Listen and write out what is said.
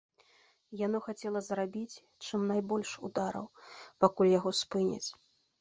Яно хацела зрабіць чым найбольш удараў, пакуль яго спыняць.